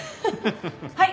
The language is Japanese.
はい。